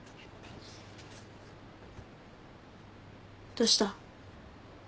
・どうした？